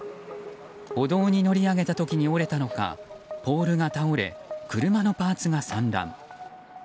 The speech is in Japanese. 歩道に乗り上げた時に折れたのかポールが倒れ車のパーツが散乱。